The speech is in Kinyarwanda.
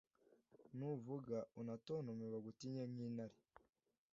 Nuvuga unatontome Bagutinye nk'intare